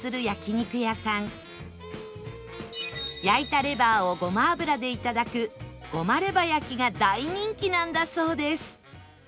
焼いたレバーをごま油でいただくゴマレバ焼が大人気なんだそうです